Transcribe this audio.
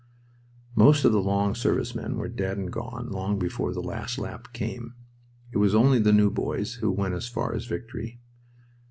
Most of the long service men were dead and gone long before the last lap came. It was only the new boys who went as far as victory.